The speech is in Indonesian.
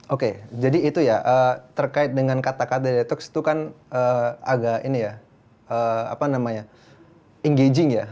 oke jadi itu ya terkait dengan kata kata detox itu kan agak ini ya apa namanya engaging ya